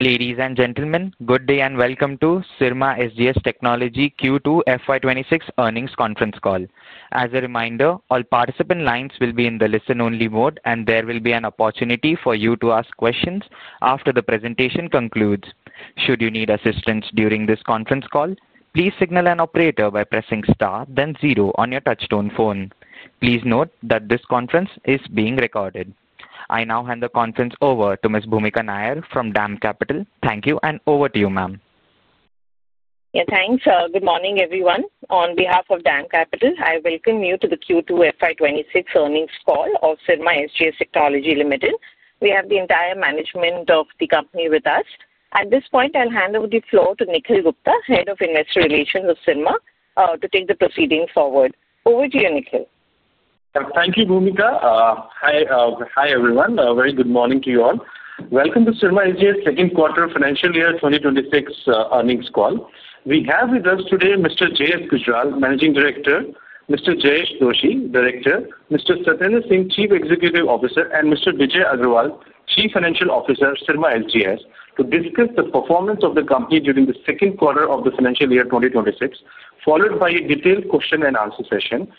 Ladies and gentlemen, good day and welcome to Syrma SGS Technology Q2 FY2026 earnings conference call. As a reminder, all participant lines will be in the listen-only mode, and there will be an opportunity for you to ask questions after the presentation concludes. Should you need assistance during this conference call, please signal an operator by pressing star, then zero on your touchstone phone. Please note that this conference is being recorded. I now hand the conference over to Ms. Bhoomika Nair from DAM Capital. Thank you, and over to you, ma'am. Yeah, thanks. Good morning, everyone. On behalf of DAM Capital, I welcome you to the Q2 FY2026 earnings call of Syrma SGS Technology Limited. We have the entire management of the company with us. At this point, I'll hand over the floor to Nikhil Gupta, Head of Investor Relations of Syrma, to take the proceedings forward. Over to you, Nikhil. Thank you, Bhumika. Hi, everyone. A very good morning to you all. Welcome to Syrma SGS second quarter financial year 2026 earnings call. We have with us today Mr. J.S. Gujral, Managing Director; Mr. Jayesh Joshi, Director; Mr. Satendra Singh, Chief Executive Officer; and Mr. Bijay Agrawal, Chief Financial Officer, Syrma SGS, to discuss the performance of the company during the second quarter of the financial year 2026, followed by a detailed question-and-answer session.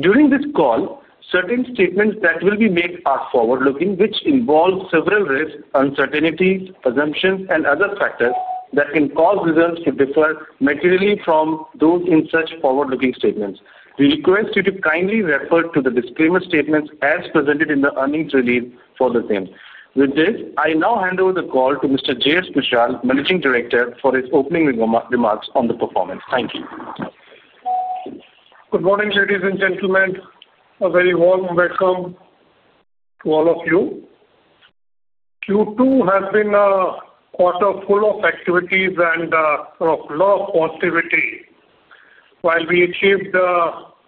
During this call, certain statements that will be made are forward-looking, which involve several risks, uncertainties, assumptions, and other factors that can cause results to differ materially from those in such forward-looking statements. We request you to kindly refer to the disclaimer statements as presented in the earnings release for the same. With this, I now hand over the call to Mr. J.S. Gujral, Managing Director, for his opening remarks on the performance. Thank you. Good morning, ladies and gentlemen. A very warm welcome to all of you. Q2 has been a quarter full of activities and a lot of positivity. While we achieved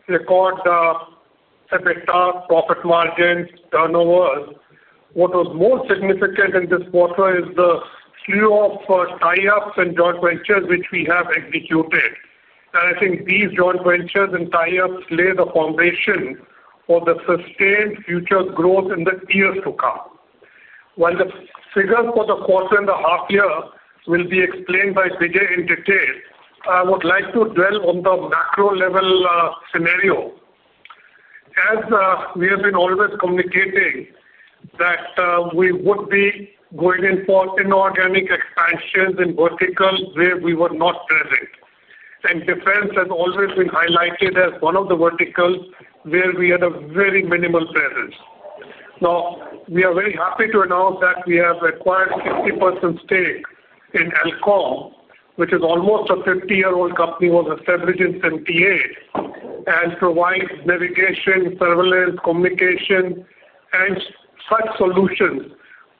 record EBITDA, profit margins, turnovers, what was most significant in this quarter is the slew of tie-ups and joint ventures which we have executed. I think these joint ventures and tie-ups lay the foundation for the sustained future growth in the years to come. While the figures for the quarter and the half-year will be explained by Bijay in detail, I would like to dwell on the macro-level scenario. As we have been always communicating that we would be going in for inorganic expansions in verticals where we were not present. Defense has always been highlighted as one of the verticals where we had a very minimal presence. Now, we are very happy to announce that we have acquired a 50% stake in Elcome, which is almost a 50-year-old company that was established in 1978, and provides navigation, surveillance, communication, and such solutions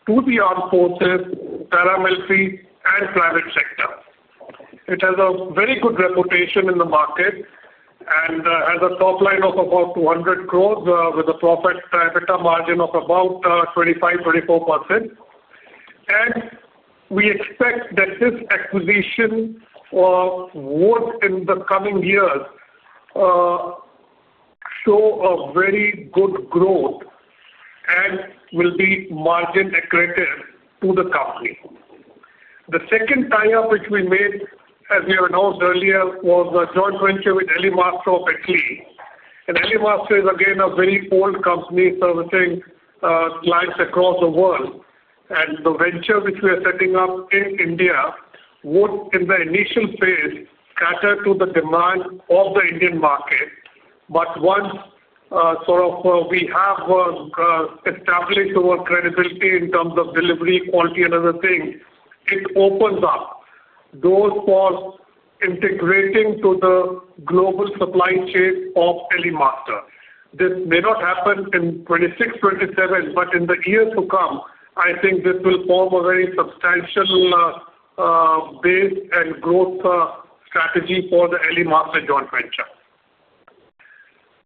to the armed forces, paramilitary, and private sector. It has a very good reputation in the market and has a top line of about 200 crores with a profit/EBITDA margin of about 25%-24%. We expect that this acquisition would, in the coming years, show a very good growth and will be margin-accretive to the company. The second tie-up which we made, as we have announced earlier, was a joint venture with Elemaster of Italy. Elemaster is, again, a very old company servicing clients across the world. The venture which we are setting up in India would, in the initial phase, cater to the demand of the Indian market. Once we have established our credibility in terms of delivery, quality, and other things, it opens up doors for integrating into the global supply chain of Elemaster. This may not happen in 2026, 2027, but in the years to come, I think this will form a very substantial base and growth strategy for the Elemaster joint venture.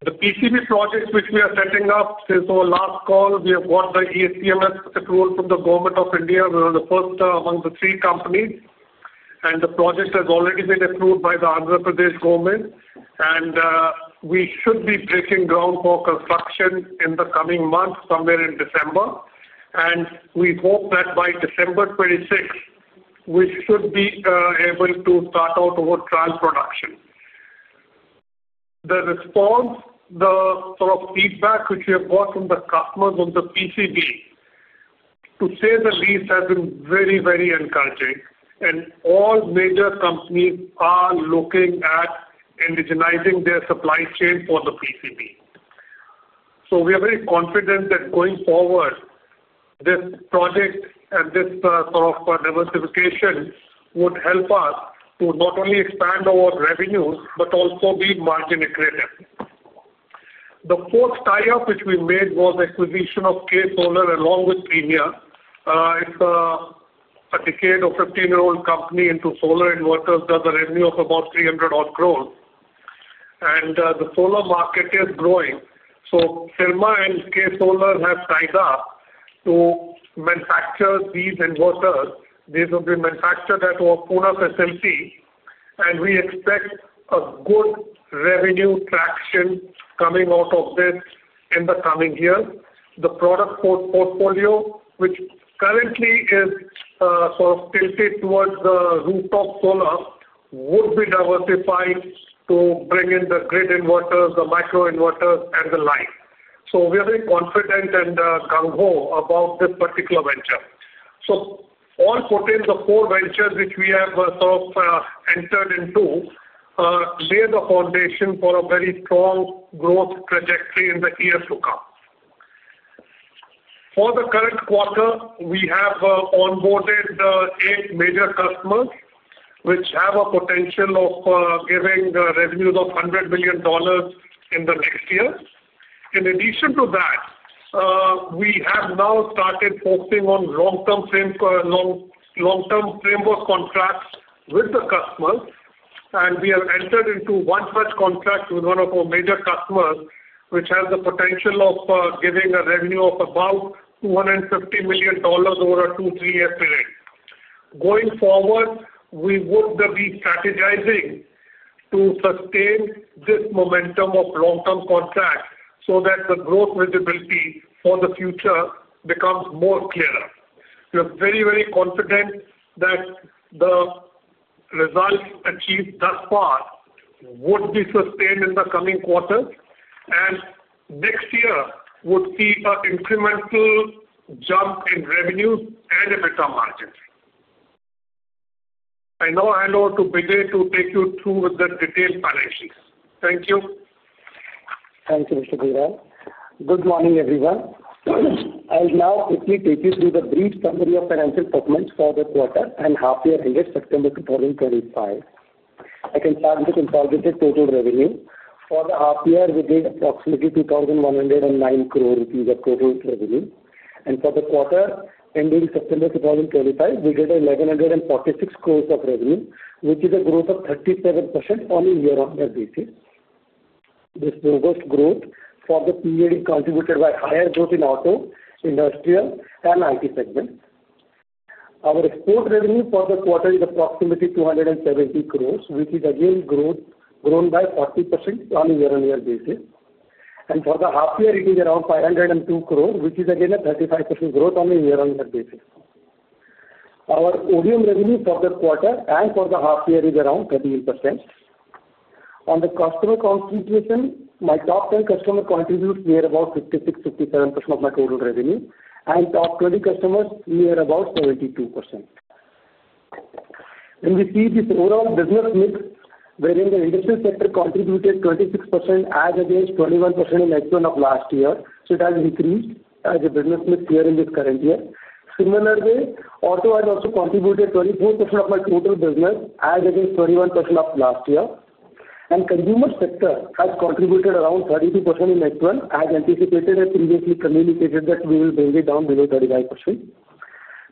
The PCB project which we are setting up since our last call, we have got the ES PLI approval from the Government of India. We were the first among the three companies. The project has already been approved by the Andhra Pradesh government. We should be breaking ground for construction in the coming months, somewhere in December. We hope that by December 2026, we should be able to start out our trial production. The response, the sort of feedback which we have got from the customers on the PCB, to say the least, has been very, very encouraging. All major companies are looking at indigenizing their supply chain for the PCB. We are very confident that going forward, this project and this sort of diversification would help us to not only expand our revenues but also be margin-accretive. The fourth tie-up which we made was acquisition of KSolare along with Premier Energies. It is a decade-or-15-year-old company into solar inverters, does a revenue of about 300 crore. The solar market is growing. Syrma and KSolare have tied up to manufacture these inverters. They have been manufactured at our Pune facility. We expect a good revenue traction coming out of this in the coming year. The product portfolio, which currently is sort of tilted towards the rooftop solar, would be diversified to bring in the grid inverters, the microinverters, and the like. We are very confident and gung-ho about this particular venture. All four ventures which we have sort of entered into lay the foundation for a very strong growth trajectory in the years to come. For the current quarter, we have onboarded eight major customers which have a potential of giving revenues of $100 million in the next year. In addition to that, we have now started focusing on long-term framework contracts with the customers. We have entered into one such contract with one of our major customers which has the potential of giving a revenue of about $250 million over a two, three-year period. Going forward, we would be strategizing to sustain this momentum of long-term contract so that the growth visibility for the future becomes more clearer. We are very, very confident that the results achieved thus far would be sustained in the coming quarters. Next year would see an incremental jump in revenues and EBITDA margins. I now hand over to Bijay to take you through with the detailed financials. Thank you. Thank you, Mr. Govender. Good morning, everyone. I'll now quickly take you through the brief summary of financial performance for the quarter and half-year ended September 2025. I can start with the consolidated total revenue. For the half-year, we did approximately 2,109 crores rupees of total revenue. For the quarter ending September 2025, we did 1,146 crores of revenue, which is a growth of 37% on a year-on-year basis. This robust growth for the period is contributed by higher growth in auto, industrial, and IT segments. Our export revenue for the quarter is approximately 270 crores, which has grown by 40% on a year-on-year basis. For the half-year, it is around 502 crores, which is a 35% growth on a year-on-year basis. Our ODM revenue for the quarter and for the half-year is around 38%. On the customer contribution, my top 10 customers contribute near about 56%-57% of my total revenue, and top 20 customers near about 72%. When we see this overall business mix, wherein the industry sector contributed 26% as against 21% in the first half of last year, it has decreased as a business mix here in this current year. Similarly, auto has also contributed 24% of my total business as against 21% of last year. Consumer sector has contributed around 32% in the first half, as anticipated and previously communicated that we will bring it down below 35%.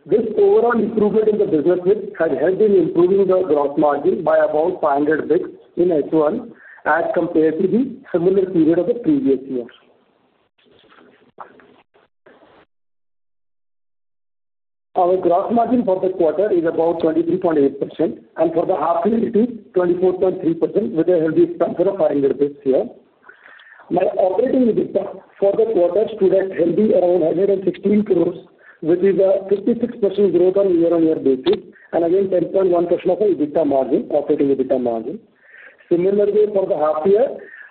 This overall improvement in the business mix has helped in improving the gross margin by about 500 basis points in the first half as compared to the similar period of the previous year. Our gross margin for the quarter is about 23.8%. For the half-year, it is 24.3%, which has been expanded for 500 basis points here. My operating EBITDA for the quarter stood at around 116 crores, which is a 56% growth on a year-on-year basis, and again 10.1% of my EBITDA margin, operating EBITDA margin. Similarly, for the half-year,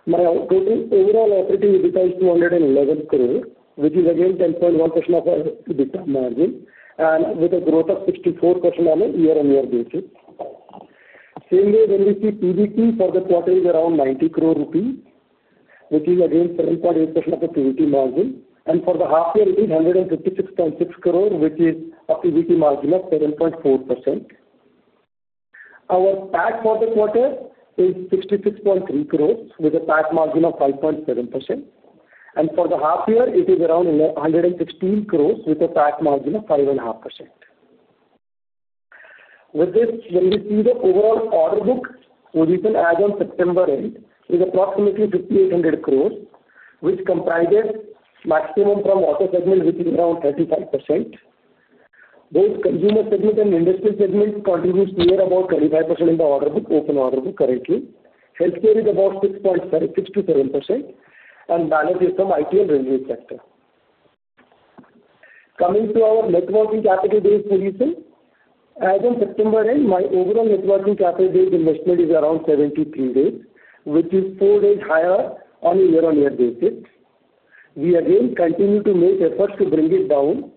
my total overall operating EBITDA is 211 crores, which is again 10.1% of my EBITDA margin, and with a growth of 64% on a year-on-year basis. Same way, when we see PBT for the quarter, it is around 90 crores rupees, which is again 7.8% of my PBT margin. For the half-year, it is 156.6 crores, which is a PBT margin of 7.4%. Our PAT for the quarter is 66.3 crores, with a PAT margin of 5.7%. For the half-year, it is around 116 crores, with a PAT margin of 5.5%. With this, when we see the overall order book position as of September 8, it is approximately 5,800 crores, which comprises maximum from auto segment, which is around 35%. Both consumer segment and industry segment contribute near about 25% in the order book, open order book currently. Healthcare is about 6%-7%, and balance is from IT and revenue sector. Coming to our networking capital days position, as of September 8, my overall networking capital days investment is around 73 days, which is four days higher on a year-on-year basis. We again continue to make efforts to bring it down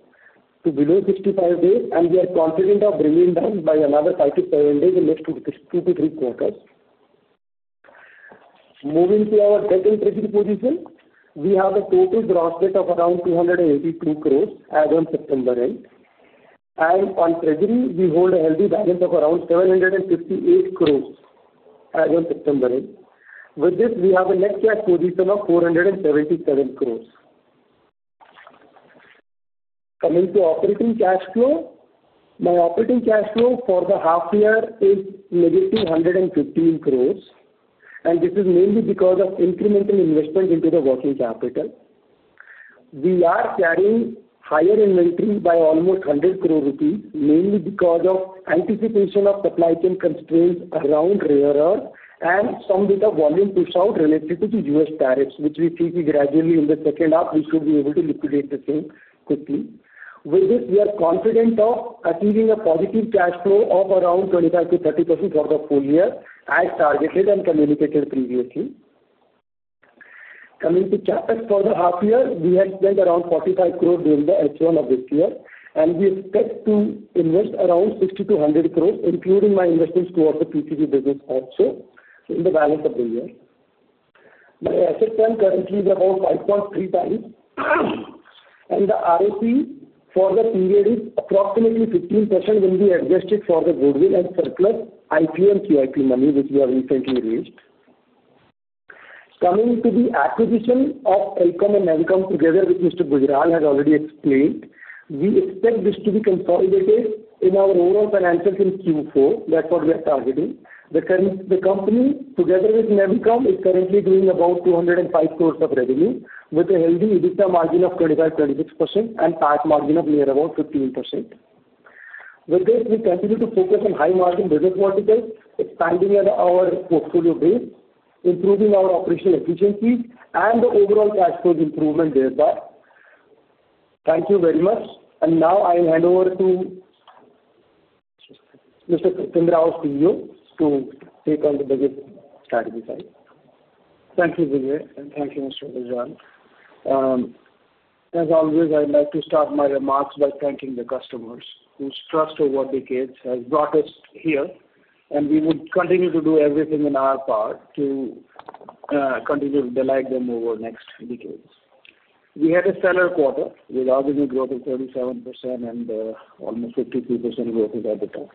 to below 65 days, and we are confident of bringing it down by another 5-7 days in the next two to three quarters. Moving to our debt and treasury position, we have a total gross debt of around 282 crores as of September 8. On treasury, we hold a healthy balance of 758 crores as of September 8. With this, we have a net cash position of 477 crores. Coming to operating cash flow, my operating cash flow for the half-year is -115 crores. This is mainly because of incremental investment into the working capital. We are carrying higher inventory by almost 100 crores rupees, mainly because of anticipation of supply chain constraints around rare earth and some bit of volume push-out related to the U.S. tariffs, which we see gradually in the second half, we should be able to liquidate the same quickly. With this, we are confident of achieving a positive cash flow of around 25%-30% for the full year, as targeted and communicated previously. Coming to CapEx for the half-year, we have spent around 45 crores during the H1 of this year. We expect to invest around 60-100 crores, including my investments towards the PCB business also, in the balance of the year. My asset plan currently is about 5.3 times. The ROC for the period is approximately 15% when we adjust it for the goodwill and surplus IP and QIP money which we have recently raised. Coming to the acquisition of Elcome and Navicom, together, as Mr. Gujral has already explained, we expect this to be consolidated in our overall financials in Q4. That is what we are targeting. The company, together with Navicom, is currently doing about 205 crores of revenue, with a healthy EBITDA margin of 25%-26% and PAT margin of near about 15%. With this, we continue to focus on high-margin business verticals, expanding our portfolio base, improving our operational efficiencies, and the overall cash flow improvement thereby. Thank you very much. I will hand over to Mr. Satendra, our CEO, to take on the budget strategy side. Thank you, Bijay, and thank you, Mr. Gujral. As always, I would like to start my remarks by thanking the customers whose trust over decades has brought us here. We would continue to do everything in our power to continue to delight them over the next decades. We had a stellar quarter with organic growth of 37% and almost 53% growth in EBITDA,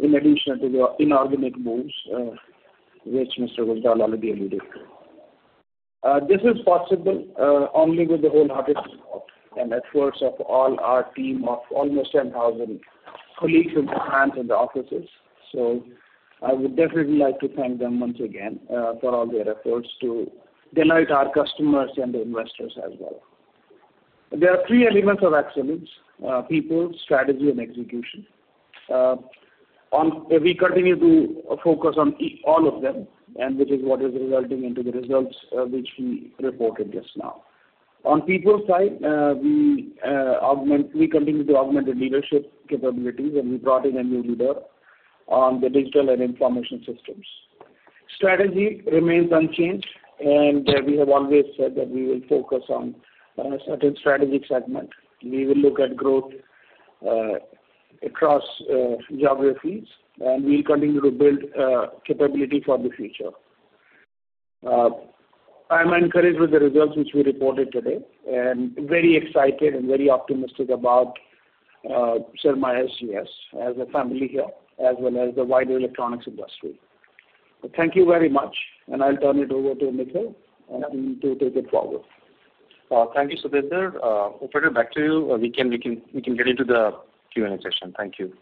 in addition to the inorganic moves which Mr. Gujral already alluded to. This is possible only with the wholehearted support and efforts of all our team of almost 10,000 colleagues in the plants and the offices. I would definitely like to thank them once again for all their efforts to delight our customers and the investors as well. There are three elements of excellence: people, strategy, and execution. We continue to focus on all of them, which is what is resulting in the results which we reported just now. On people side, we continue to augment the leadership capabilities, and we brought in a new leader on the digital and information systems. Strategy remains unchanged, and we have always said that we will focus on a certain strategic segment. We will look at growth across geographies, and we'll continue to build capability for the future. I'm encouraged with the results which we reported today and very excited and very optimistic about Sma SGS as a family here, as well as the wider electronics industry. Thank you very much, and I'll turn it over to Nikhil to take it forward. Thank you, Satendra. Open it back to you. We can get into the Q&A session. Thank you.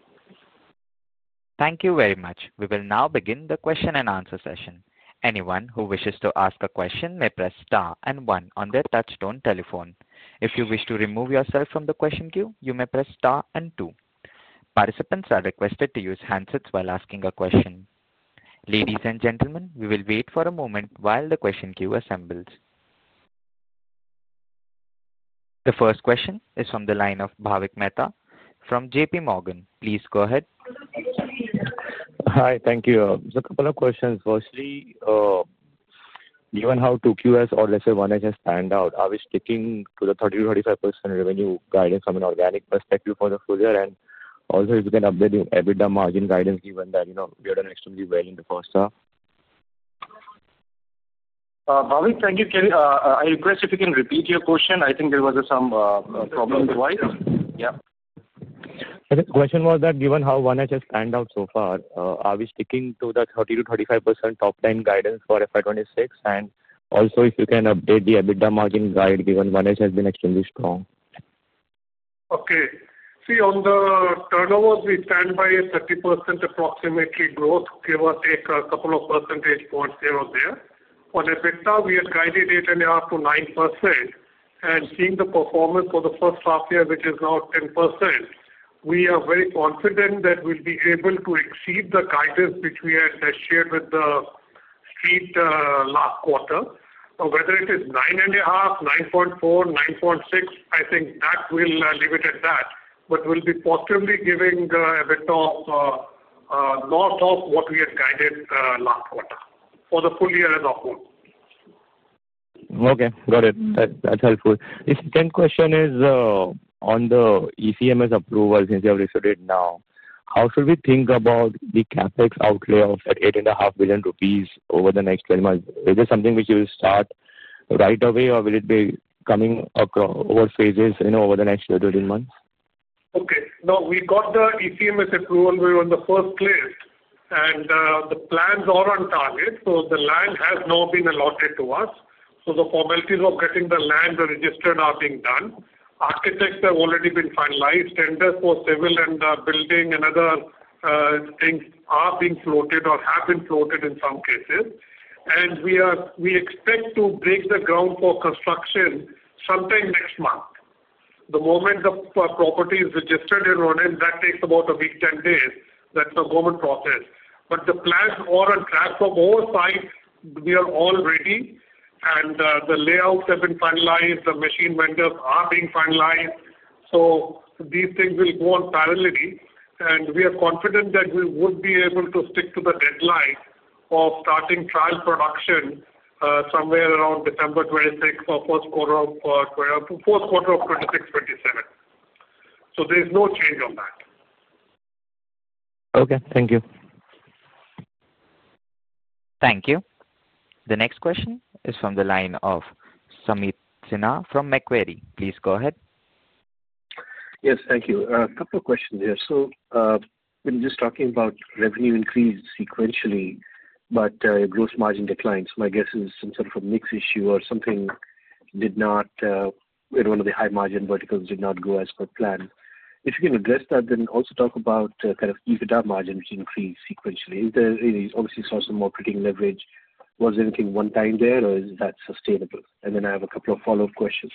Thank you very much. We will now begin the question and answer session. Anyone who wishes to ask a question may press star and one on their touchstone telephone. If you wish to remove yourself from the question queue, you may press star and two. Participants are requested to use handsets while asking a question. Ladies and gentlemen, we will wait for a moment while the question queue assembles. The first question is from the line of Bhavik Mehta from JPMorgan. Please go ahead. Hi. Thank you. There's a couple of questions. Firstly, given how 2Q or, let's say, 1H has panned out, are we sticking to the 30%-35% revenue guidance from an organic perspective for the full year? Also, if you can update the EBITDA margin guidance, given that we've done extremely well in the first half. Bhavik, thank you. I request if you can repeat your question. I think there was some problem with the mic. Yeah. The question was that given how first half has panned out so far, are we sticking to the 30%-35% top line guidance for fiscal year 2026? Also, if you can update the EBITDA margin guide, given first half has been extremely strong. Okay. See, on the turnovers, we stand by a 30% approximately growth, give us a couple of percentage points here or there. On EBITDA, we had guided it an hour to 9%. And seeing the performance for the first half year, which is now 10%, we are very confident that we'll be able to exceed the guidance which we had shared with the street last quarter. Whether it is 9.5%, 9.4%, 9.6%, I think that will leave it at that, but we'll be positively giving a bit of north of what we had guided last quarter for the full year as a whole. Okay. Got it. That's helpful. The second question is on the ECMS approval, since you have referred it now. How should we think about the CapEx outlay of 8.5 billion rupees over the next 12 months? Is this something which you will start right away, or will it be coming over phases over the next 12 months? Okay. No, we got the ECMS approval. We were in the first list, and the plans are on target. The land has now been allotted to us. The formalities of getting the land registered are being done. Architects have already been finalized. Tenders for civil and building and other things are being floated or have been floated in some cases. We expect to break the ground for construction sometime next month. The moment the property is registered and running, that takes about a week, 10 days. That is a government process. The plans are on track. From our side, we are all ready, and the layouts have been finalized. The machine vendors are being finalized. These things will go on parallelly. We are confident that we would be able to stick to the deadline of starting trial production somewhere around December 2026 or first quarter of 2026-2027. There is no change on that. Okay. Thank you. Thank you. The next question is from the line of Sameet Sinha from Macquarie. Please go ahead. Yes. Thank you. A couple of questions here. We have been just talking about revenue increase sequentially, but gross margin declines. My guess is some sort of a mix issue or something did not—one of the high-margin verticals did not go as per plan. If you can address that, then also talk about kind of EBITDA margin increase sequentially. Obviously, you saw some operating leverage. Was there anything one-time there, or is that sustainable? I have a couple of follow-up questions.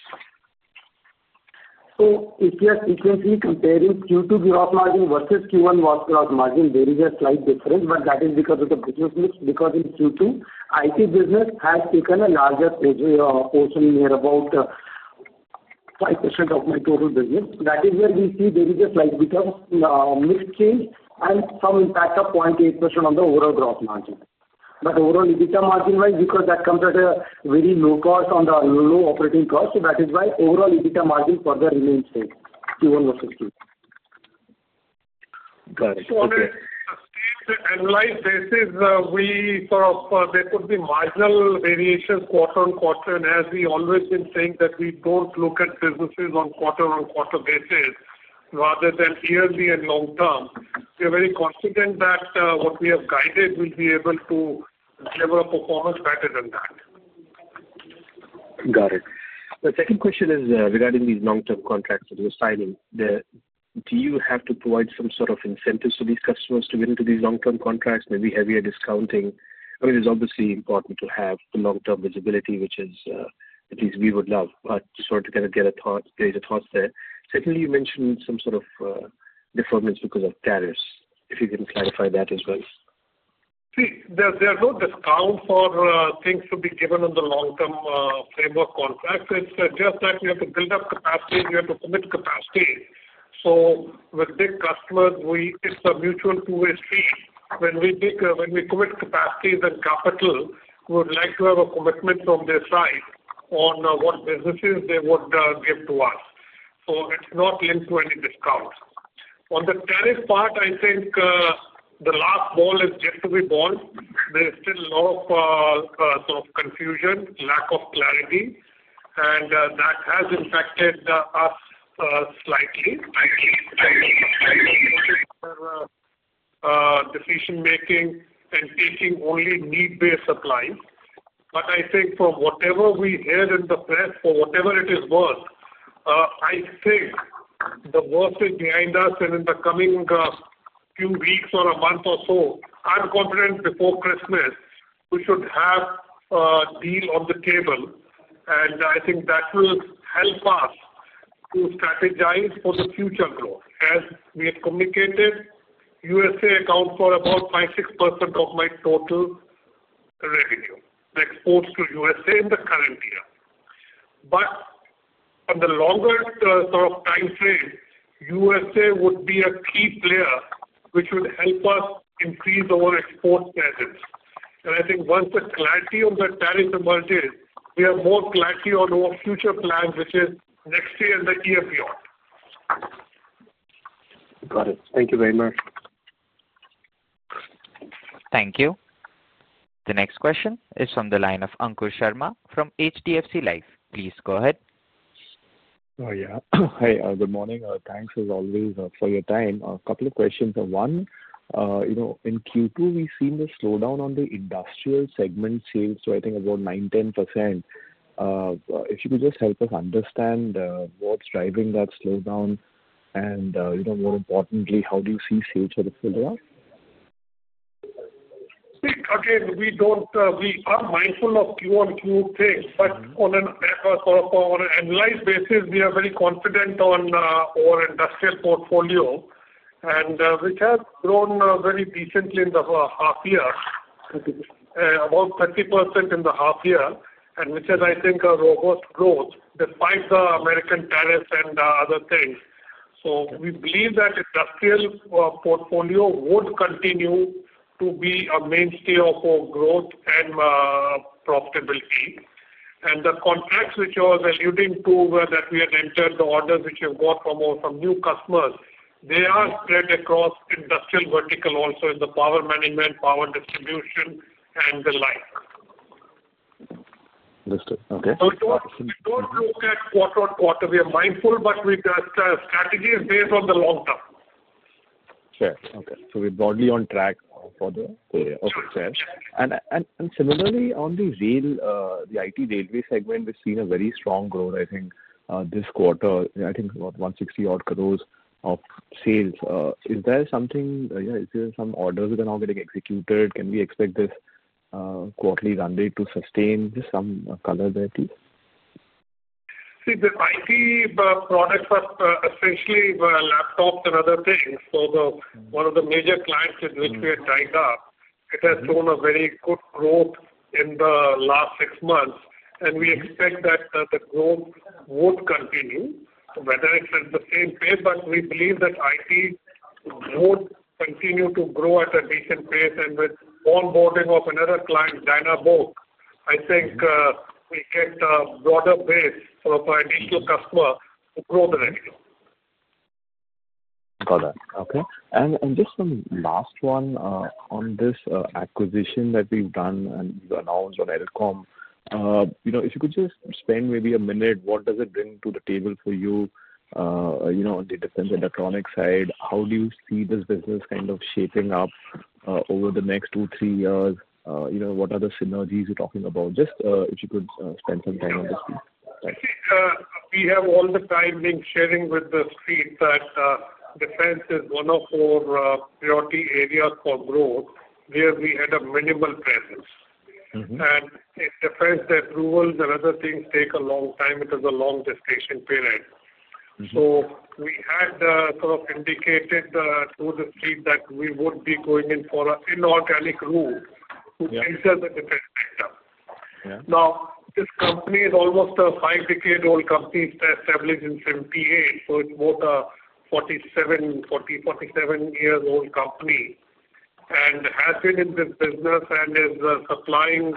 If you're seeing comparing Q2 gross margin versus Q1 gross margin, there is a slight difference, but that is because of the business mix. Because in Q2, IT business has taken a larger portion, near about 5% of my total business. That is where we see there is a slight mix change and some impact of 0.8% on the overall gross margin. Overall, EBITDA margin-wise, because that comes at a very low cost on the low operating cost, that is why overall EBITDA margin further remains the same, Q1 versus Q2. Got it. Okay. I think the analysis basis, there could be marginal variations quarter on quarter, and as we've always been saying, that we don't look at businesses on quarter-on-quarter basis rather than yearly and long-term. We are very confident that what we have guided will be able to deliver a performance better than that. Got it. The second question is regarding these long-term contracts that you're signing. Do you have to provide some sort of incentives to these customers to get into these long-term contracts, maybe heavier discounting? I mean, it's obviously important to have the long-term visibility, which is at least we would love. Just wanted to kind of get a thought, raise a thought there. Secondly, you mentioned some sort of deferments because of tariffs. If you can clarify that as well. See, there's no discount for things to be given on the long-term framework contracts. It's just that we have to build up capacities. We have to commit capacities. With big customers, it's a mutual two-way street. When we commit capacities and capital, we would like to have a commitment from their side on what businesses they would give to us. It's not linked to any discount. On the tariff part, I think the last ball is yet to be bowled. There is still a lot of sort of confusion, lack of clarity, and that has impacted us slightly. I decision-making and taking only need-based supplies. I think from whatever we hear in the press, for whatever it is worth, I think the worst is behind us. In the coming few weeks or a month or so, I'm confident before Christmas, we should have a deal on the table. I think that will help us to strategize for the future growth. As we have communicated, USA accounts for about 5%-6% of my total revenue, the exports to USA in the current year. On the longer sort of time frame, USA would be a key player which would help us increase our export presence. I think once the clarity on the tariff emerges, we have more clarity on our future plans, which is next year and the year beyond. Got it. Thank you very much. Thank you. The next question is from the line of Ankur Sharma from HDFC Life. Please go ahead. Oh, yeah. Hi. Good morning. Thanks as always for your time. A couple of questions. One, in Q2, we've seen a slowdown on the industrial segment sales, so I think about 9%-10%. If you could just help us understand what's driving that slowdown and, more importantly, how do you see sales for the full year? See, again, we are mindful of Q1, Q2 things, but on an analysis basis, we are very confident on our industrial portfolio, which has grown very decently in the half year, about 30% in the half year, and which has, I think, a robust growth despite the American tariffs and other things. We believe that industrial portfolio would continue to be a mainstay of our growth and profitability. The contracts which I was alluding to, where we had entered the orders which we've got from new customers, they are spread across industrial vertical also in the power management, power distribution, and the like. Understood. Okay. We don't look at quarter on quarter. We are mindful, but our strategy is based on the long term. Fair. Okay. So we're broadly on track for the full year. Okay. Fair. Similarly, on the IT railway segment, we've seen very strong growth, I think, this quarter. I think about 160 crore of sales. Is there something, yeah, is there some orders that are now getting executed? Can we expect this quarterly run rate to sustain? Just some color there, please. See, the IT products are essentially laptops and other things. One of the major clients with which we had tied up has shown very good growth in the last six months, and we expect that the growth would continue, whether it is at the same pace. We believe that IT would continue to grow at a decent pace. With onboarding of another client, Dynabook, I think we get a broader base for additional customers to grow the revenue. Got that. Okay. Just one last one on this acquisition that we've done and you announced on Elcome. If you could just spend maybe a minute, what does it bring to the table for you on the defense electronics side? How do you see this business kind of shaping up over the next two, three years? What other synergies are you talking about? Just if you could spend some time on the street. See, we have all the time been sharing with the street that defense is one of our priority areas for growth, where we had a minimal presence. If defense approvals and other things take a long time, it is a long gestation period. We had sort of indicated to the street that we would be going in for an inorganic route to enter the defense sector. Now, this company is almost a five-decade-old company established in 1978, so it is about a 47-year-old company. It has been in this business and is supplying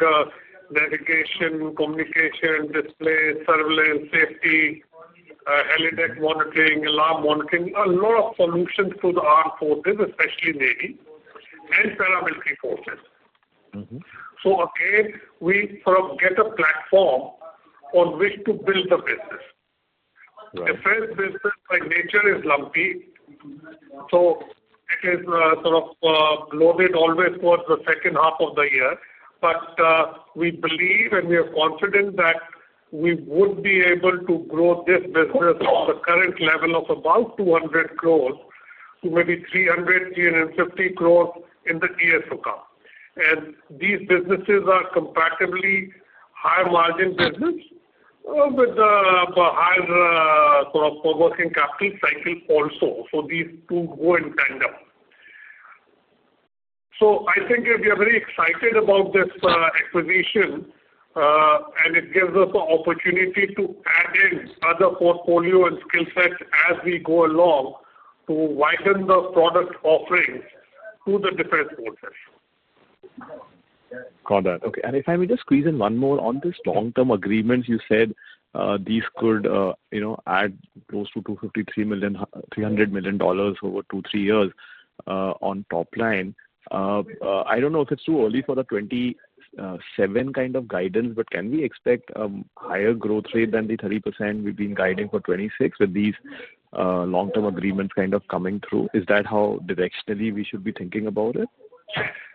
navigation, communication, display, surveillance, safety, helideck monitoring, alarm monitoring, a lot of solutions to the armed forces, especially Navy and paramilitary forces. We sort of get a platform on which to build the business. Defense business by nature is lumpy, so it is sort of loaded always towards the second half of the year. We believe and we are confident that we would be able to grow this business from the current level of about 200 crores to maybe 300-350 crores in the. These businesses are comparatively higher margin business with a higher sort of working capital cycle also. These two go in tandem. I think we are very excited about this acquisition, and it gives us the opportunity to add in other portfolio and skill sets as we go along to widen the product offerings to the defense forces. Got that. Okay. If I may just squeeze in one more on this long-term agreement, you said these could add close to $253 million-$300 million over two-three years on top line. I do not know if it is too early for the 2027 kind of guidance, but can we expect a higher growth rate than the 30% we have been guiding for 2026 with these long-term agreements kind of coming through? Is that how directionally we should be thinking about it?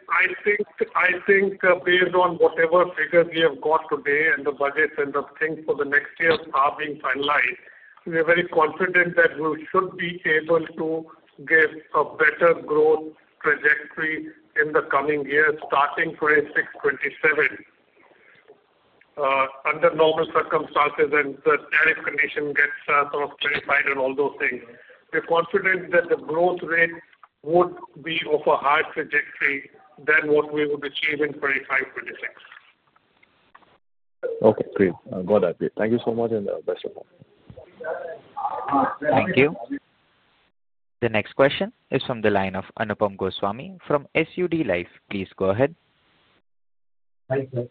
I think based on whatever figures we have got today and the budgets and the things for the next year are being finalized, we are very confident that we should be able to give a better growth trajectory in the coming years, starting for 2026, 2027. Under normal circumstances, and the tariff condition gets sort of clarified and all those things, we're confident that the growth rate would be of a higher trajectory than what we would achieve in 2025, 2026. Okay. Great. Got that. Thank you so much and best of luck. Thank you. The next question is from the line of Anupam Goswami from SUD Life. Please go ahead. Hi sir.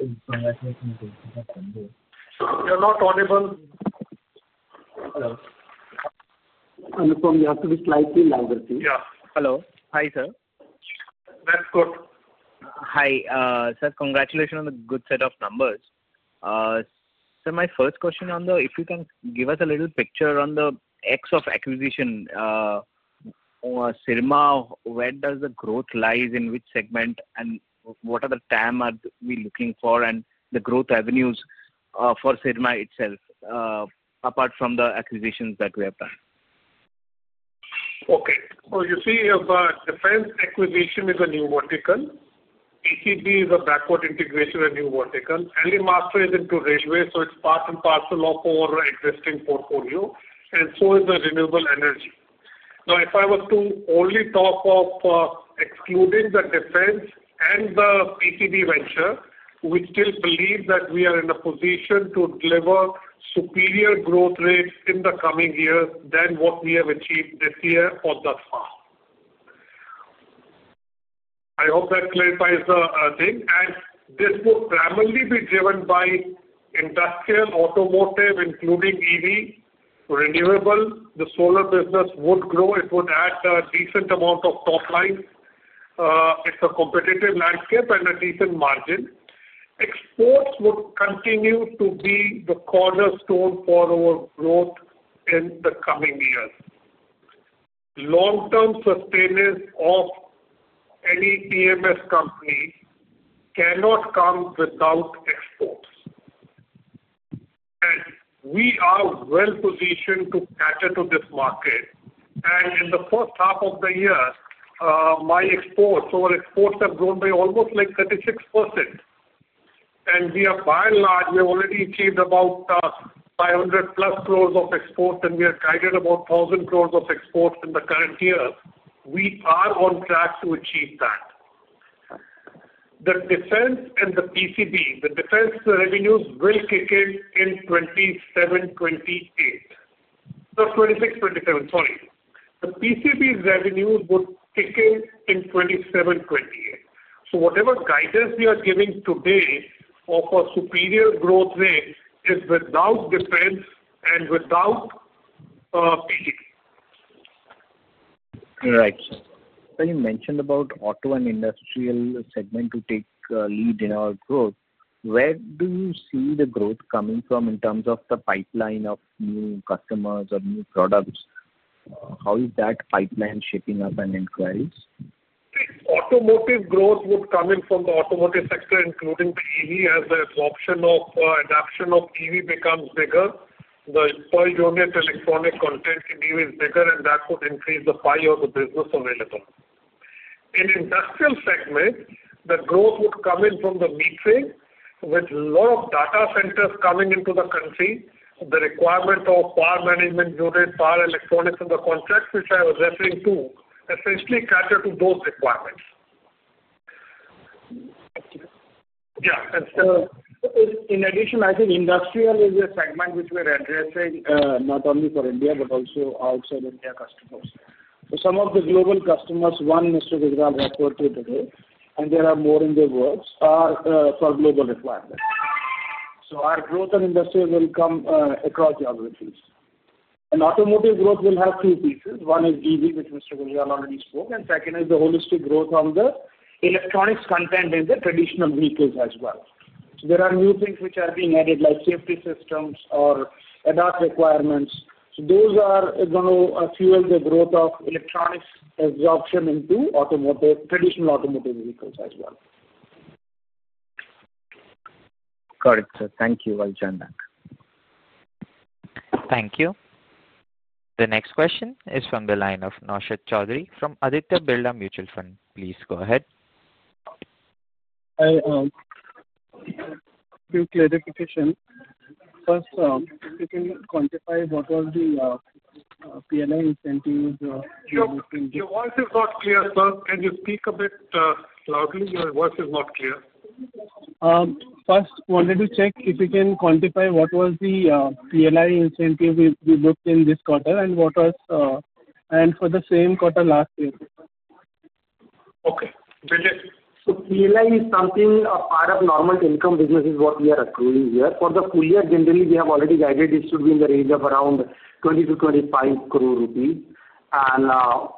You're not audible. Anupam, you have to be slightly louder, please. Yeah. Hello. Hi sir. That's good. Hi. Sir, congratulations on the good set of numbers. Sir, my first question on the—if you can give us a little picture on the X of acquisition, Syrma, where does the growth lie in which segment, and what are the TAM we're looking for, and the growth avenues for Syrma itself, apart from the acquisitions that we have done? Okay. You see defense acquisition is a new vertical. PCB is a backward integration, a new vertical. Elemaster is into railways, so it is part and parcel of our existing portfolio. So is the renewable energy. Now, if I was to only talk of excluding the defense and the PCB venture, we still believe that we are in a position to deliver superior growth rates in the coming years than what we have achieved this year or thus far. I hope that clarifies a thing. This would primarily be driven by industrial, automotive, including EV, renewable. The solar business would grow. It would add a decent amount of top line. It is a competitive landscape and a decent margin. Exports would continue to be the cornerstone for our growth in the coming years. Long-term sustainance of any EMS company cannot come without exports. We are well-positioned to cater to this market. In the first half of the year, my exports—so our exports have grown by almost 36%. We have already achieved about 500+ crores of exports, and we are guided about 1,000 crores of exports in the current year. We are on track to achieve that. The defense and the PCB, the defense revenues will kick in in 2027-2028. No, 2026-2027. Sorry. The PCB revenues would kick in in 2027-2028. Whatever guidance we are giving today of a superior growth rate is without defense and without [PCB]. Right. Sir, you mentioned about auto and industrial segment to take lead in our growth. Where do you see the growth coming from in terms of the pipeline of new customers or new products? How is that pipeline shaping up and inquiries? Automotive growth would come in from the automotive sector, including the EV as the adoption of EV becomes bigger. The per-unit electronic content need is bigger, and that would increase the pie of the business available. In industrial segment, the growth would come in from the meter trade, with a lot of data centers coming into the country, the requirement of power management unit, power electronics in the contracts, which I was referring to, essentially cater to those requirements. Thank you. Yeah. Sir, in addition, I think industrial is a segment which we are addressing not only for India but also outside India customers. Some of the global customers—one Mr. Gujral referred to today, and there are more in the works—are for global requirements. Our growth in industry will come across geographies. Automotive growth will have two pieces. One is EV, which Mr. Gujral already spoke, and second is the holistic growth on the electronics content in the traditional vehicles as well. There are new things which are being added, like safety systems or adult requirements. Those are going to fuel the growth of electronics absorption into traditional automotive vehicles as well. Got it, sir. Thank you. I'll join that. Thank you. The next question is from the line of Naushad Chaudhary from Aditya Birla Mutual Fund. Please go ahead. A few clarifications. First, if you can quantify what was the PLI incentives? Yeah. Your voice is not clear, sir. Can you speak a bit loudly? Your voice is not clear. First, wanted to check if you can quantify what was the PLI incentives we booked in this quarter and what was—and for the same quarter last year. Okay. PLI is something a part of normal income business is what we are accruing here. For the full year, generally, we have already guided it should be in the range of 20-25 crore rupees.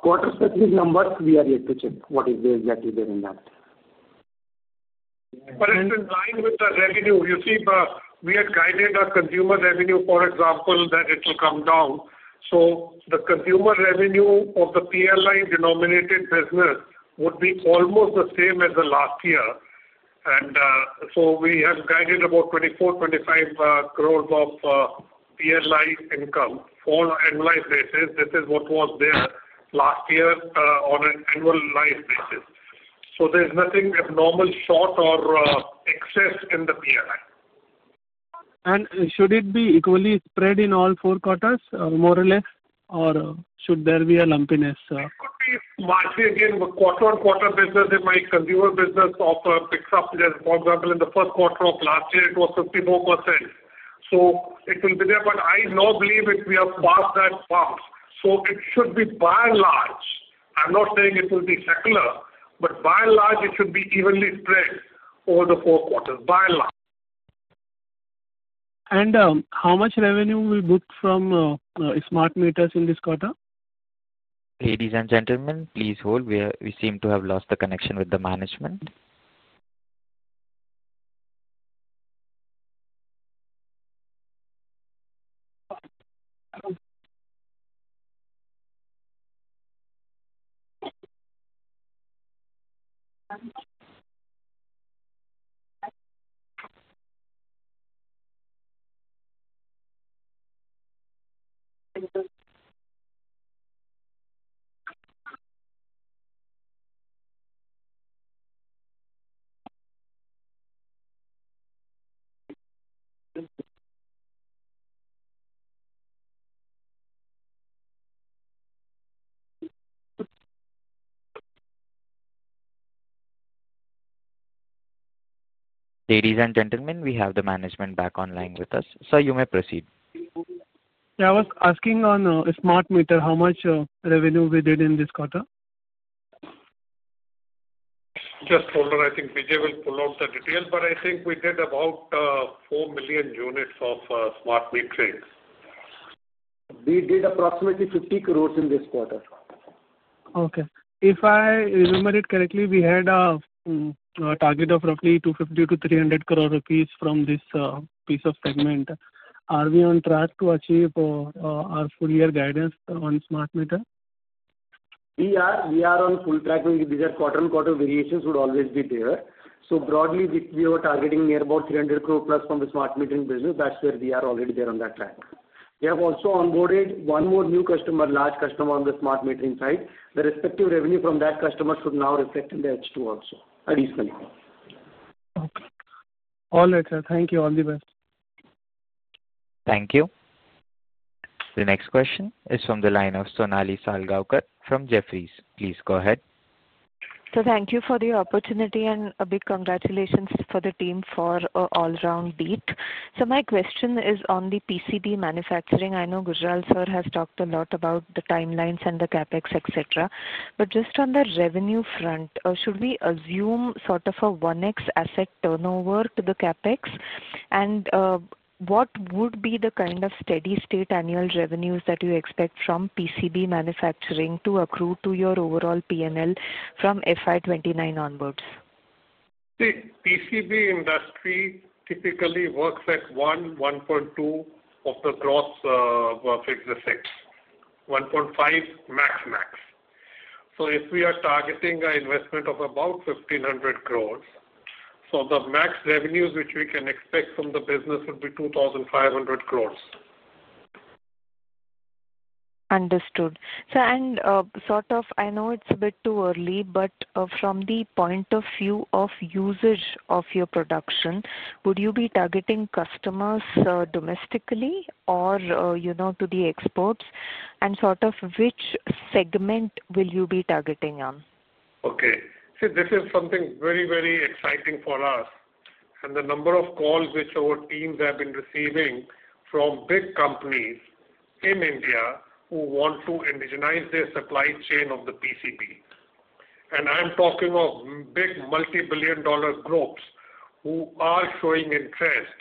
Quarter-specific numbers, we are yet to check what is the exact figure in that. It is in line with the revenue. You see, we had guided our consumer revenue, for example, that it will come down. The consumer revenue of the PLI-denominated business would be almost the same as last year. We have guided about 24-25 crore of PLI income on an annualized basis. This is what was there last year on an annualized basis. There is nothing abnormal, short, or excess in the PLI. Should it be equally spread in all four quarters or more or less, or should there be a lumpiness? It could be margin again, but quarter-on-quarter business in my consumer business of a pickup. For example, in the first quarter of last year, it was 54%. It will be there, but I now believe if we have passed that bump. It should be by and large—I am not saying it will be secular—but by and large, it should be evenly spread over the four quarters. By and large. How much revenue will be booked from smart meters in this quarter? Ladies and gentlemen, please hold. We seem to have lost the connection with the management. Ladies and gentlemen, we have the management back online with us. Sir, you may proceed. I was asking on smart meter, how much revenue we did in this quarter? Just told her, I think Bijay will pull out the details, but I think we did about 4 million units of smart metering. We did approximately 50 crore in this quarter. Okay. If I remember it correctly, we had a target of roughly 250 crore-300 crore rupees from this piece of segment. Are we on track to achieve our full-year guidance on smart meter? We are on full track. These quarter-on-quarter variations would always be there. Broadly, we were targeting near about 300+ crore from the smart metering business. That is where we are already there on that track. We have also onboarded one more new customer, a large customer on the smart metering side. The respective revenue from that customer should now reflect in the H2 also, additionally. Okay. All right, sir. Thank you. All the best. Thank you. The next question is from the line of Sonali Salgaonkar from Jefferies. Please go ahead. Sir, thank you for the opportunity and a big congratulations for the team for an all-round beat. Sir, my question is on the PCB manufacturing. I know Gujral sir has talked a lot about the timelines and the CapEx, etc. Just on the revenue front, should we assume sort of a 1x asset turnover to the CapEx? What would be the kind of steady-state annual revenues that you expect from PCB manufacturing to accrue to your overall P&L from FY 2029 onwards? See, PCB industry typically works at 1, 1.2 of the gross fixed effect, 1.5 max, max. If we are targeting an investment of about 1,500 crores, the max revenues which we can expect from the business would be 2,500 crores. Understood. Sir, and sort of I know it's a bit too early, but from the point of view of usage of your production, would you be targeting customers domestically or to the exports? And sort of which segment will you be targeting on? Okay. See, this is something very, very exciting for us. The number of calls which our teams have been receiving from big companies in India who want to indigenize their supply chain of the PCB. I'm talking of big multi-billion dollar groups who are showing interest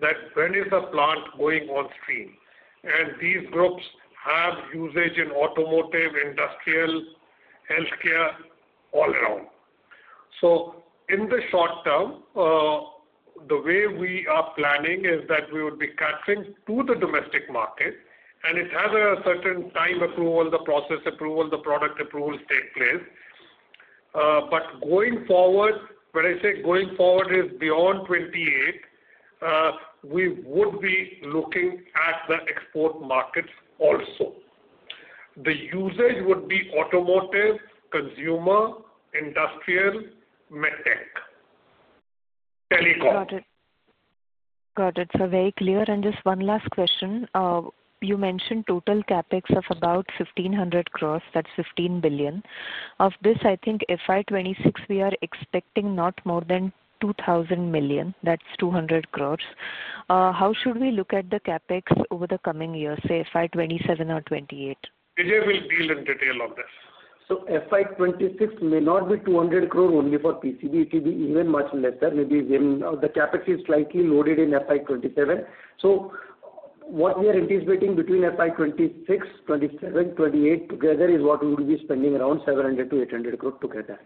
that when is the plant going on stream. These groups have usage in automotive, industrial, healthcare, all around. In the short term, the way we are planning is that we would be catering to the domestic market, and it has a certain time approval, the process approval, the product approvals take place. Going forward, when I say going forward, it is beyond 2028, we would be looking at the export markets also. The usage would be automotive, consumer, industrial, MedTech, telecom. Got it. Got it, sir. Very clear. Just one last question. You mentioned total CapEx of about 1,500 crores. That's 15 billion. Of this, I think FY2026, we are expecting not more than 2,000 million. That's 200 crores. How should we look at the CapEx over the coming years, say FY 2027 or 2028? Bijay will deal in detail on this. FY 2026 may not be 200 crore only for PCB; it will be even much lesser. The CapEx is slightly loaded in FY 2027. What we are anticipating between FY 2026, 2027, 2028 together is what we will be spending around 700-800 crore together.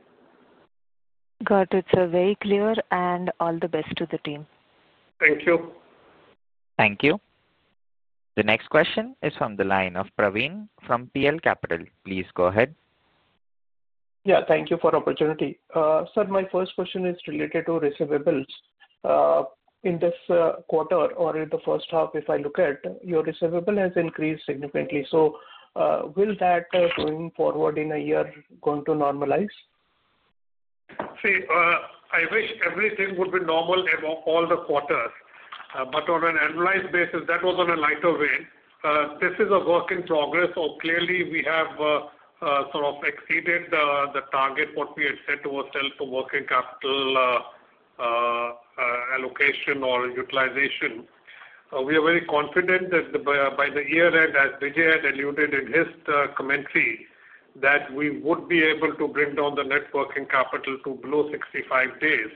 Got it, sir. Very clear, and all the best to the team. Thank you. Thank you. The next question is from the line of Praveen from PL Capital. Please go ahead. Yeah. Thank you for the opportunity. Sir, my first question is related to receivables. In this quarter or in the first half, if I look at your receivable, it has increased significantly. Is that, going forward in a year, going to normalize? See, I wish everything would be normal above all the quarters. On an annualized basis, that was on a lighter wave. This is a work in progress. Clearly, we have sort of exceeded the target what we had set to ourselves for working capital allocation or utilization. We are very confident that by the year-end, as Bijay had alluded in his commentary, we would be able to bring down the net working capital to below 65 days.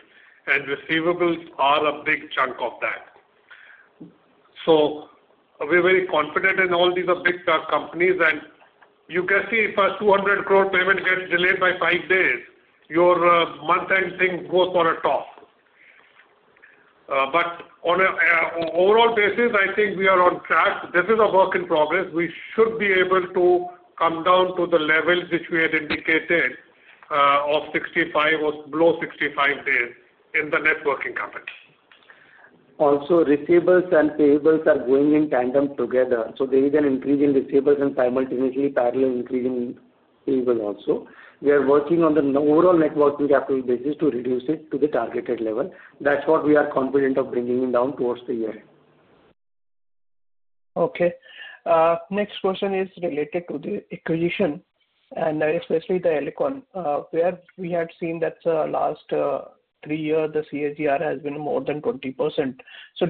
Receivables are a big chunk of that. We are very confident in all these big companies. You can see if a 200 crore payment gets delayed by five days, your month-end things go for a tough. On an overall basis, I think we are on track. This is a work in progress. We should be able to come down to the levels which we had indicated of 65 or below 65 days in the net working capital. Also, receivables and payables are going in tandem together. So there is an increase in receivables and simultaneously parallel increase in payables also. We are working on the overall net working capital basis to reduce it to the targeted level. That's what we are confident of bringing down towards the year-end. Okay. Next question is related to the acquisition and especially the Elcome, where we have seen that last three years, the CAGR has been more than 20%.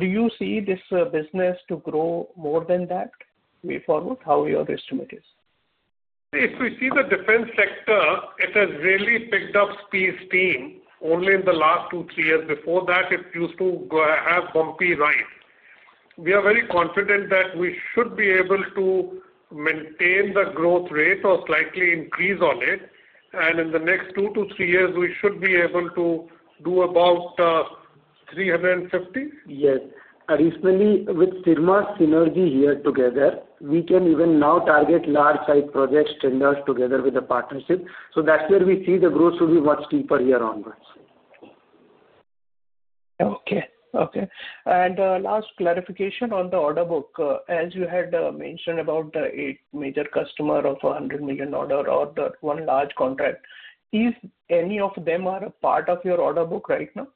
Do you see this business to grow more than that way forward? How are your estimates? If we see the defense sector, it has really picked up speed, only in the last two to three years. Before that, it used to have bumpy rides. We are very confident that we should be able to maintain the growth rate or slightly increase on it. In the next two to three years, we should be able to do about 350. Yes. Additionally, with Syrma's synergy here together, we can even now target large-sized projects tenders together with the partnership. That is where we see the growth will be much deeper here onwards. Okay. Okay. Last clarification on the order book. As you had mentioned about the eight major customers of $100 million order or one large contract, any of them are a part of your order book right now?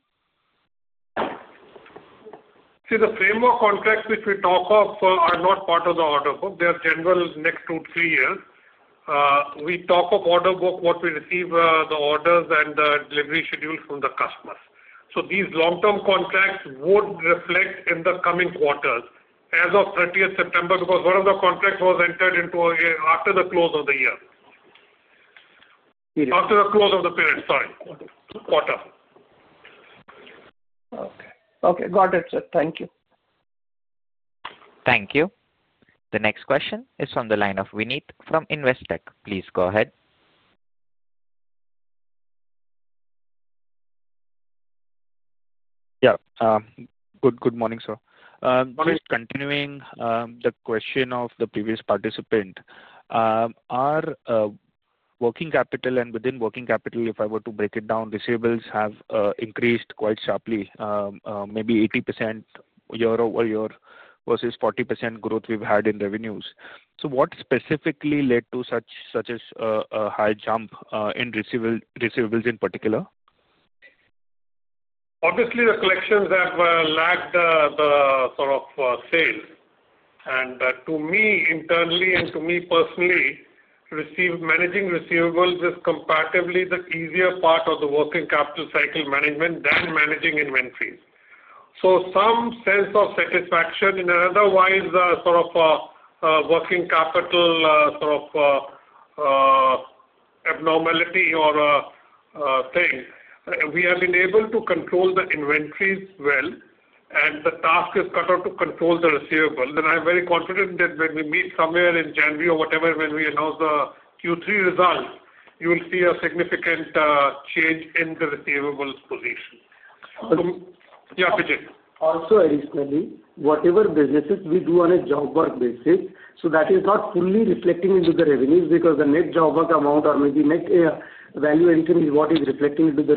See, the framework contracts which we talk of are not part of the order book. They are general next two, three years. We talk of order book what we receive the orders and the delivery schedule from the customers. These long-term contracts would reflect in the coming quarters as of 30th September because one of the contracts was entered into after the close of the year. After the close of the period, sorry. Okay. Quarter. Okay. Okay. Got it, sir. Thank you. Thank you. The next question is from the line of Vineet from Investec. Please go ahead. Yeah. Good morning, sir. Just continuing the question of the previous participant. Our working capital and within working capital, if I were to break it down, receivables have increased quite sharply, maybe 80% year-over-year versus 40% growth we've had in revenues. What specifically led to such a high jump in receivables in particular? Obviously, the collections have lagged the sort of sales. To me internally and to me personally, managing receivables is comparatively the easier part of the working capital cycle management than managing inventories. Some sense of satisfaction in an otherwise sort of working capital sort of abnormality or thing. We have been able to control the inventories well, and the task is cut out to control the receivables. I am very confident that when we meet somewhere in January or whatever, when we announce the Q3 results, you will see a significant change in the receivables position. Yeah, Bijay. Also, additionally, whatever businesses we do on a job work basis, that is not fully reflecting into the revenues because the net job work amount or maybe net value engine is what is reflecting into the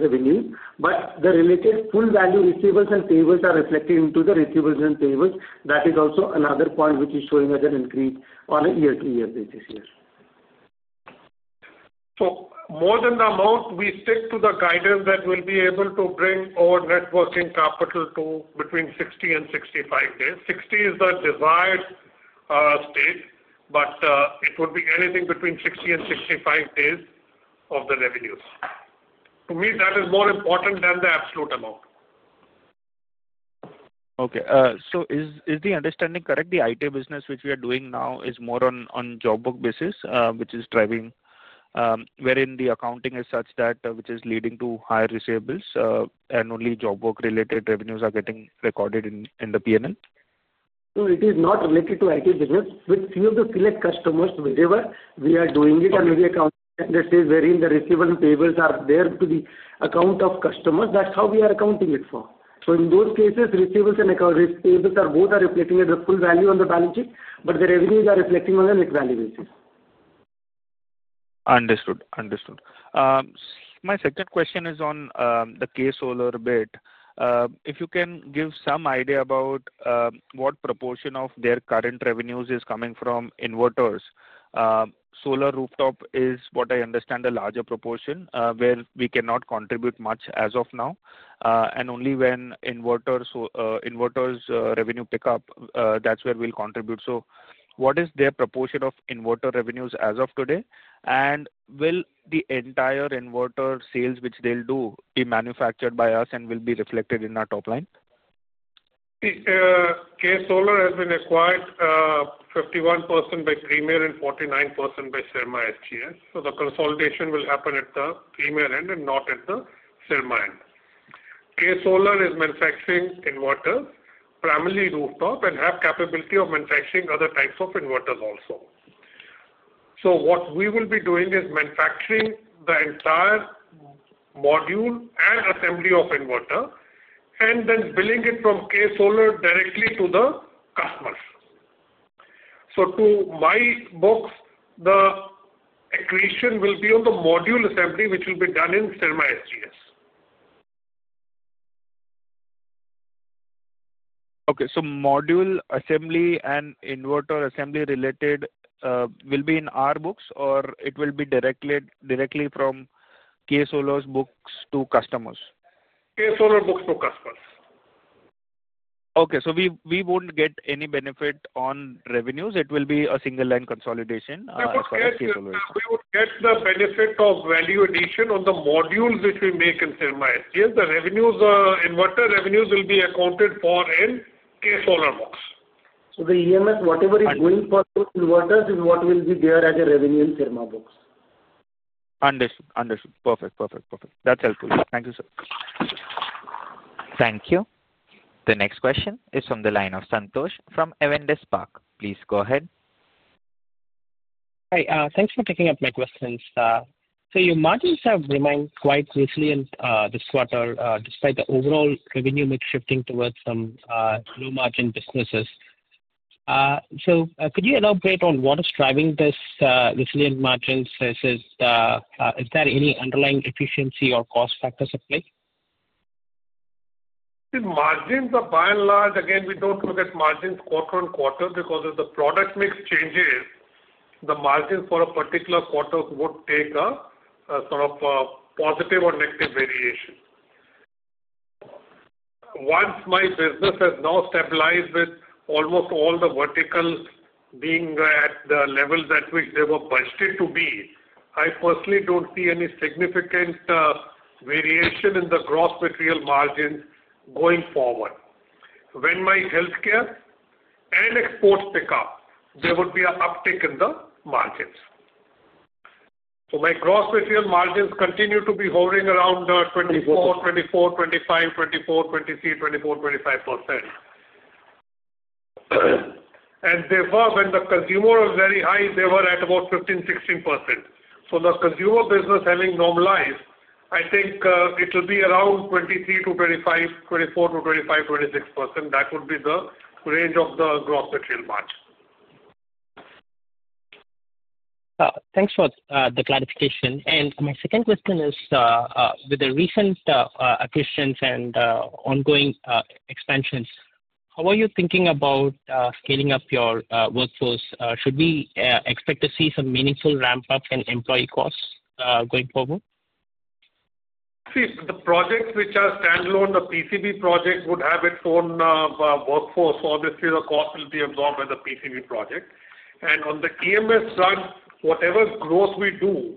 revenues. The related full value receivables and payables are reflected into the receivables and payables. That is also another point which is showing as an increase on a year-to-year basis here. More than the amount, we stick to the guidance that we'll be able to bring our net working capital to between 60 and 65 days. 60 is the desired state, but it would be anything between 60-65 days of the revenues. To me, that is more important than the absolute amount. Okay. So is the understanding correct? The IT business which we are doing now is more on job work basis, which is driving wherein the accounting is such that which is leading to higher receivables, and only job work-related revenues are getting recorded in the P&L? No, it is not related to IT business. With few of the select customers, whichever we are doing it, and maybe accounting that says wherein the receivables and payables are there to the account of customers, that's how we are accounting it for. In those cases, receivables and payables are both reflecting at the full value on the balance sheet, but the revenues are reflecting on a net value basis. Understood. Understood. My second question is on the KSolare bit. If you can give some idea about what proportion of their current revenues is coming from inverters. Solar rooftop is, what I understand, a larger proportion where we cannot contribute much as of now. Only when inverters' revenue pick up, that's where we will contribute. What is their proportion of inverter revenues as of today? Will the entire inverter sales which they will do be manufactured by us and will be reflected in our top line? KSolare has been acquired 51% by Premier and 49% by Syrma SGS. The consolidation will happen at the Premier end and not at the Syrma end. KSolare is manufacturing inverters, primarily rooftop, and have capability of manufacturing other types of inverters also. What we will be doing is manufacturing the entire module and assembly of inverter, and then billing it from KSolare directly to the customers. To my books, the accretion will be on the module assembly, which will be done in Syrma SGS. Okay. So module assembly and inverter assembly related will be in our books, or it will be directly from KSolare's books to customers? KSolare books to customers. Okay. So we won't get any benefit on revenues. It will be a single-line consolidation across KSolare. We will get the benefit of value addition on the modules which we make in Syrma SGS. The inverter revenues will be accounted for in KSolare books. So the EMS, whatever is going for those inverters, is what will be there as a revenue in Syrma books. Understood. Perfect. That's helpful. Thank you, sir. Thank you. The next question is from the line of Santosh from Awendes Park. Please go ahead. Hi. Thanks for picking up my questions. Your margins have remained quite resilient this quarter despite the overall revenue mix shifting towards some low-margin businesses. Could you elaborate on what is driving this resilient margins? Is there any underlying efficiency or cost factors at play? The margins, by and large, again, we don't look at margins quarter on quarter because if the product mix changes, the margins for a particular quarter would take a sort of positive or negative variation. Once my business has now stabilized with almost all the verticals being at the levels at which they were budged it to be, I personally don't see any significant variation in the gross material margins going forward. When my healthcare and exports pick up, there would be an uptick in the margins. My gross material margins continue to be hovering around 24%, 25%, 24%, 23%, 24%, 25%. When the consumer was very high, they were at about 15%, 16%. The consumer business having normalized, I think it will be around 23%-24% 25%-26%. That would be the range of the gross material margin. Thanks for the clarification. My second question is, with the recent accretions and ongoing expansions, how are you thinking about scaling up your workforce? Should we expect to see some meaningful ramp-up in employee costs going forward? See, the projects which are standalone, the PCB project would have its own workforce. Obviously, the cost will be absorbed by the PCB project. On the EMS side, whatever growth we do,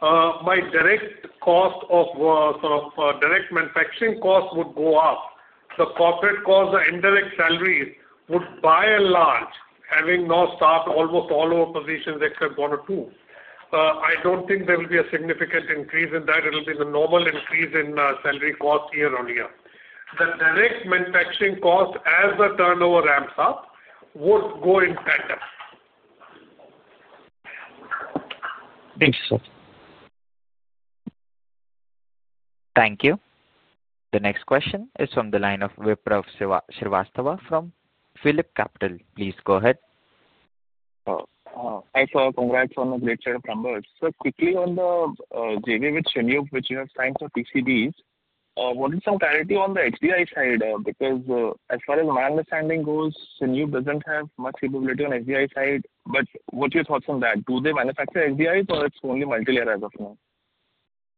my direct cost of sort of direct manufacturing cost would go up. The corporate cost, the indirect salaries would by and large, having now staffed almost all of our positions except one or two, I do not think there will be a significant increase in that. It will be the normal increase in salary cost year on year. The direct manufacturing cost, as the turnover ramps up, would go in tandem. Thank you, sir. Thank you. The next question is from the line of Vipraw Srivastava from PhillipCapital. Please go ahead. Hi, sir. Congrats on a great set of numbers. Quickly on the JV with Shinyup, which you have signed for PCBs, what is some clarity on the HDI side? Because as far as my understanding goes, Shinyup does not have much capability on the HDI side. What are your thoughts on that? Do they manufacture HDIs, or is it only multi-layer as of now?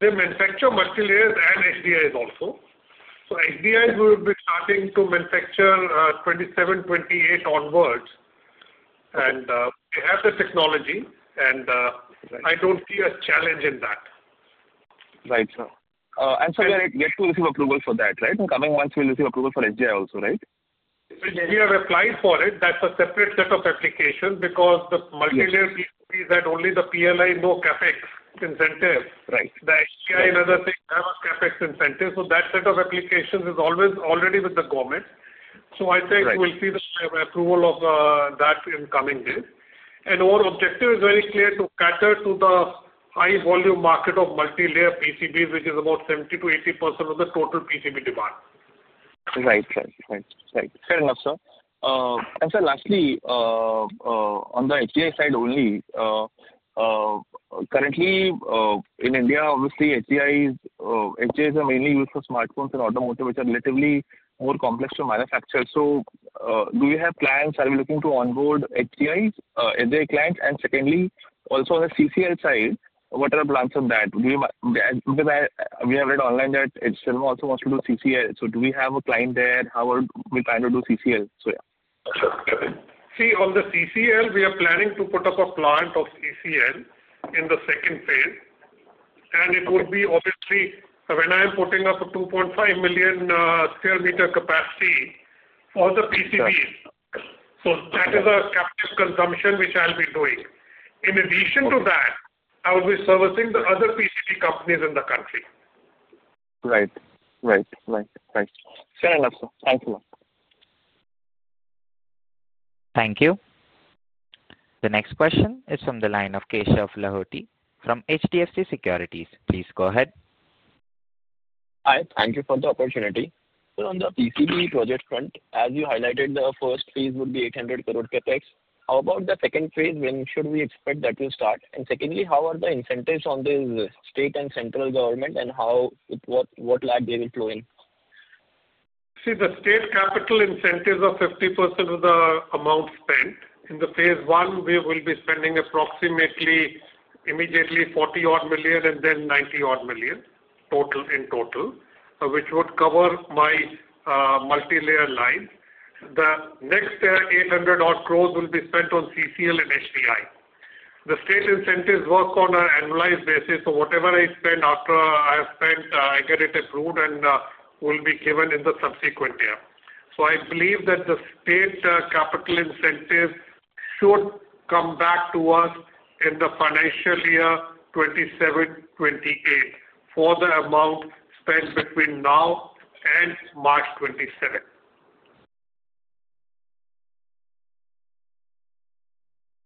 They manufacture multi-layers and HDIs also. HDIs will be starting to manufacture 2027-2028 onwards. They have the technology, and I do not see a challenge in that. Right. And we'll get to receive approval for that, right? In coming months, we'll receive approval for HDI also, right? We have applied for it. That's a separate set of applications because the multi-layer PCBs had only the PLI, no CapEx incentive. The HDI, another thing, have a CapEx incentive. That set of applications is already with the government. I think we'll see the approval of that in coming days. Our objective is very clear to cater to the high-volume market of multi-layer PCBs, which is about 70%-80% of the total PCB demand. Right. Right. Fair enough, sir. Lastly, on the SGI side only, currently in India, obviously, HGIs are mainly used for smartphones and automotive, which are relatively more complex to manufacture. Do we have plans? Are we looking to onboard HGIs? Are there clients? Secondly, also on the CCL side, what are the plans on that? Because we have read online that Syrma also wants to do CCL. Do we have a client there? How are we planning to do CCL? Yeah. Sure. See, on the CCL, we are planning to put up a plant of CCL in the second phase. It will be obviously when I am putting up a 2.5 million square meter capacity for the PCBs. That is a captive consumption which I'll be doing. In addition to that, I will be servicing the other PCB companies in the country. Right. Fair enough, sir. Thank you, sir. Thank you. The next question is from the line of Keshav Lahoti from HDFC Securities. Please go ahead. Hi. Thank you for the opportunity. On the PCB project front, as you highlighted, the first phase would be 800 crore CapEx. How about the second phase? When should we expect that to start? Secondly, how are the incentives on the state and central government, and what lag they will throw in? See, the state capital incentives are 50% of the amount spent. In phase one, we will be spending approximately immediately $40 million and then $90 million in total, which would cover my multi-layer line. The next 800 crore will be spent on CCL and SGI. The state incentives work on an annualized basis. Whatever I spend after I have spent, I get it approved and will be given in the subsequent year. I believe that the state capital incentives should come back to us in the financial year 2027-2028 for the amount spent between now and March 2027.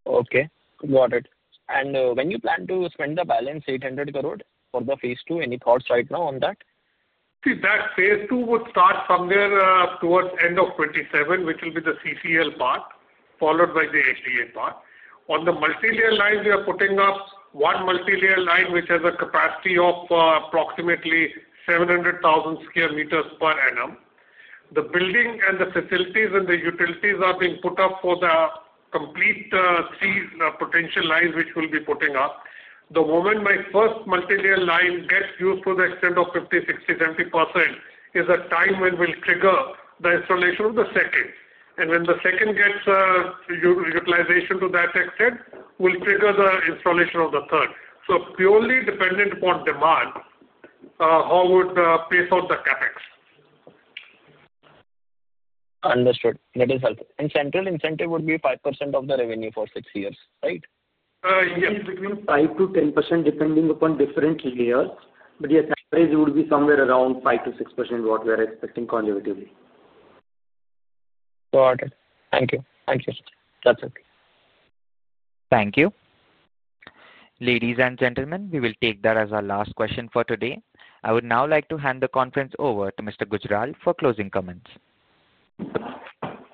Okay. Got it. When you plan to spend the balance, 800 crore for the phase two, any thoughts right now on that? See, that phase two would start somewhere towards end of 2027, which will be the CCL part, followed by the SGI part. On the multi-layer line, we are putting up one multi-layer line which has a capacity of approximately 700,000 sq m per annum. The building and the facilities and the utilities are being put up for the complete three potential lines which we'll be putting up. The moment my first multi-layer line gets used to the extent of 50%, 60%, 70% is a time when we'll trigger the installation of the second. And when the second gets utilization to that extent, we'll trigger the installation of the third. Purely dependent upon demand, how would the pay for the CapEx? Understood. That is helpful. Central incentive would be 5% of the revenue for six years, right? Between 5%-10% depending upon different layers. But yes, average would be somewhere around 5%-6% what we are expecting conservatively. Got it. Thank you. Thank you. That's it. Thank you. Ladies and gentlemen, we will take that as our last question for today. I would now like to hand the conference over to Mr. Gujral for closing comments.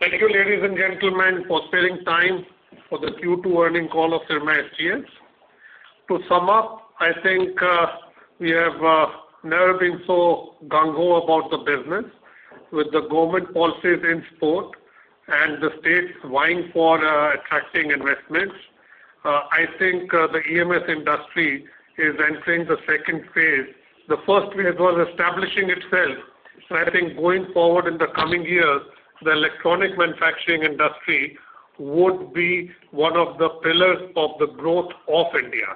Thank you, ladies and gentlemen, for sparing time for the Q2 earnings call of Syrma SGS. To sum up, I think we have never been so gung-ho about the business. With the government policies in support and the states vying for attracting investments, I think the EMS industry is entering the second phase. The first phase was establishing itself. I think going forward in the coming years, the electronic manufacturing industry would be one of the pillars of the growth of India.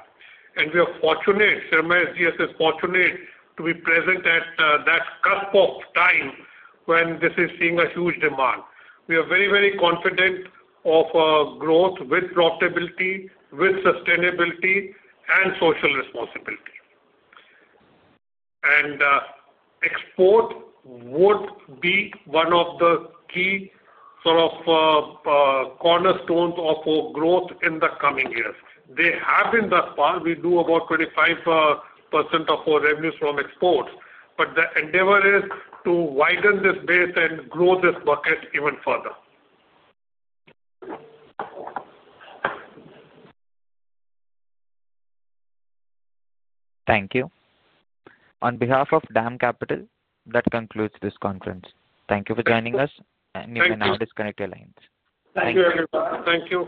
We are fortunate; Syrma SGS is fortunate to be present at that cusp of time when this is seeing a huge demand. We are very, very confident of growth with profitability, with sustainability, and social responsibility. Export would be one of the key sort of cornerstones of our growth in the coming years. They have in thus far. We do about 25% of our revenues from exports. The endeavor is to widen this base and grow this bucket even further. Thank you. On behalf of DAM Capital, that concludes this conference. Thank you for joining us, and you may now disconnect your lines. Thank you, everyone. Thank you.